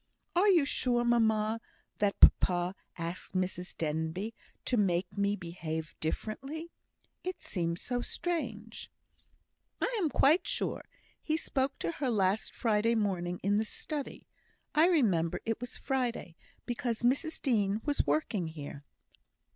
"Are you sure, mamma, that papa asked Mrs Denbigh to make me behave differently? It seems so strange." "I am quite sure. He spoke to her last Friday morning in the study. I remember it was Friday, because Mrs Dean was working here."